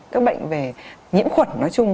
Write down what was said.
các bệnh về nhiễm khuẩn nói chung